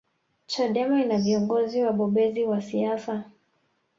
chadema ina viongozi wabobezi wa siasa